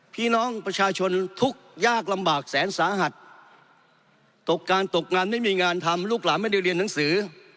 พี่น้องประชาชนทุกข์ยากลำบากแสนสาหัสตกการตกงานไม่มีงานทำลูกหลานไม่ได้เรียนหนังสือ